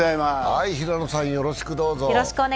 平野さん、よろしくどうぞ。